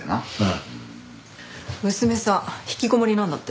娘さん引きこもりなんだって？